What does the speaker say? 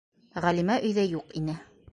Ғәлимә өйҙә юҡ ине.